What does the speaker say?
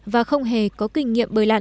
và không hề có kinh nghiệm bơi lặn